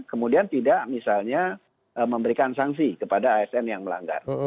kemudian tidak misalnya memberikan sanksi kepada asn yang melanggar